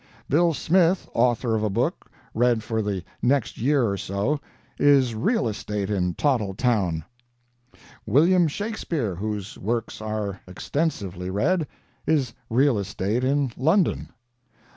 Bill Smith, author of a book read for the next year or so, is real estate in Tottletown. William Shakespeare, whose works are extensively read, is real estate in London.